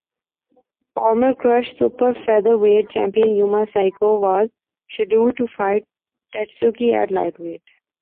Former Krush Super Featherweight champion Yuma Saikyo was scheduled to fight Tatsuki at lightweight.